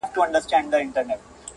خپلوانو او غریبانو سره شریک کړو